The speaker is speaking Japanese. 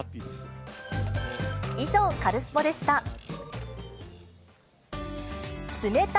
以上、カルスポっ！でした。